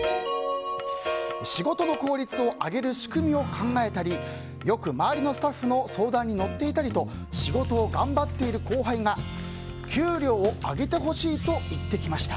仕事の効率を上げる仕組みを考えたりよく周りのスタッフの相談に乗っていたりと仕事を頑張っている後輩が給料を上げてほしいと言ってきました。